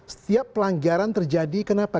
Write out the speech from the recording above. setiap pelanggaran terjadi kenapa